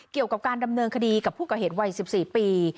เกี่ยวกับการดำเนินคดีกับผู้ก่อเหตุวัย๑๔ปี